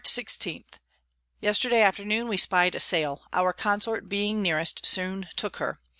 _ Yesterday afternoon we spy'd a Sail; our Consort being nearest, soon took her.